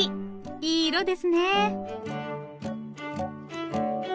いい色ですね。